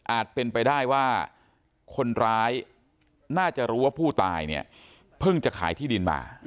เป็นไปได้ว่าคนร้ายน่าจะรู้ว่าผู้ตายเนี่ยเพิ่งจะขายที่ดินมา